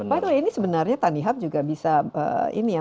by the way ini sebenarnya tanihub juga bisa